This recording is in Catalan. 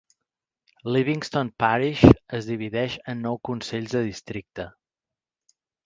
Livingston Parish es divideix en nou consells de districte.